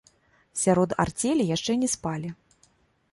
Сярод арцелі яшчэ не спалі.